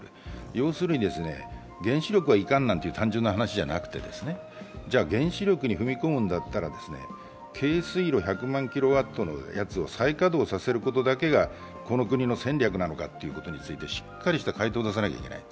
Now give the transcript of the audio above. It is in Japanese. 要するに、原子力はいかんなんて単純な話じゃなくて、原子力に踏み込むんだったら、軽水炉１００万キロワットのやつを再稼働させることだけがこの国の戦略なのかということについてしっかりした回答を出さなければいけない。